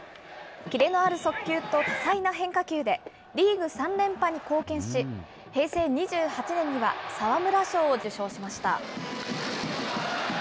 キレのある速球と多彩な変化球でリーグ３連覇に貢献し、平成２８年には沢村賞を受賞しました。